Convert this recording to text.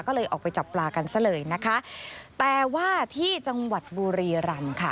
ก็เลยออกไปจับปลากันซะเลยนะคะแต่ว่าที่จังหวัดบุรีรำค่ะ